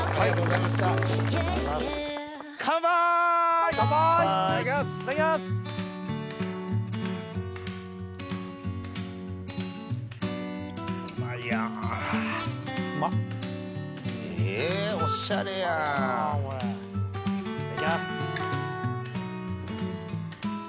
いただきます！